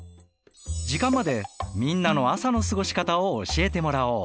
時間までみんなの朝の過ごし方を教えてもらおう。